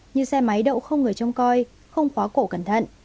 như xe máy đậu không người trông coi không khóa cổ cẩn thận